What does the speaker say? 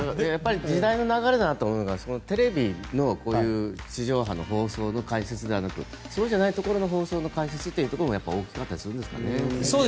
時代の流れだと思うのはテレビの地上波放送の解説でなくそうじゃないところの放送の解説というのがやっぱり大きかったりするんですかね。